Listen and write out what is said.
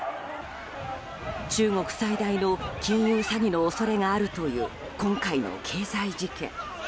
中国最大の金融詐欺の恐れがあるという今回の経済事件。